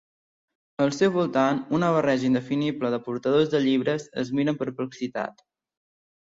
Al seu voltant una barreja indefinible de portadors de llibres es mira amb perplexitat.